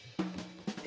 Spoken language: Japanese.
え